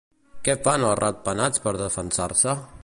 Què fan els ratpenats per defensar-se?